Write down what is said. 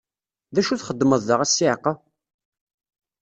D acu txeddmeḍ da a ssiɛqa?